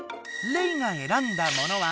レイがえらんだものは